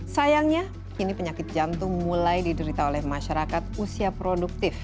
sayangnya kini penyakit jantung mulai diderita oleh masyarakat usia produktif